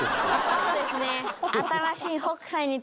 そうですね。